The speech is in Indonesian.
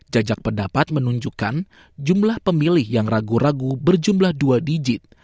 jajak pendapat menunjukkan jumlah pemilih yang ragu ragu berjumlah dua digit